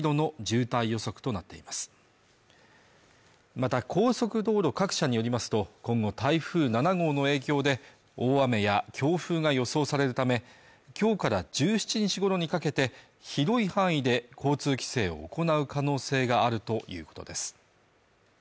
また高速道路各社によりますと今後台風７号の影響で大雨や強風が予想されるため今日から１７日ごろにかけて広い範囲で交通規制を行う可能性があるということです